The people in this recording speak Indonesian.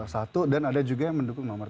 satu dan ada juga yang mendukung nomor satu